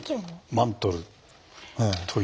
マントル。